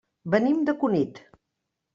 Venim de Cunit.